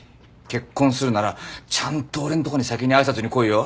結婚するならちゃんと俺んとこに先に挨拶に来いよ。